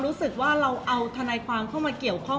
เพราะว่าสิ่งเหล่านี้มันเป็นสิ่งที่ไม่มีพยาน